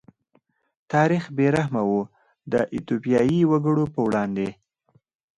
تاریخ بې رحمه و د ایتوپیايي وګړو په وړاندې.